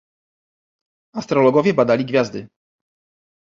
"Astrologowie badali gwiazdy."